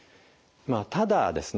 ただですね